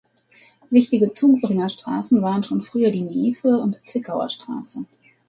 Wichtige Zubringerstraßen waren schon früher die "Neefe-" und "Zwickauer Straße".